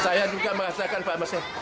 saya juga merasakan pak masnya